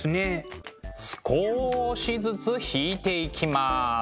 少しずつ引いていきます。